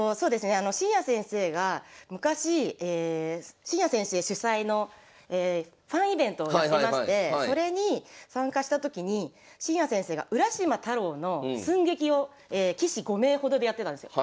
紳哉先生が昔紳哉先生主催のファンイベントをやってましてそれに参加した時に紳哉先生が「浦島太郎」の寸劇を棋士５名ほどでやってたんですよ。